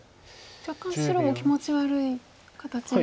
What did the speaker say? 若干白も気持ち悪い形では。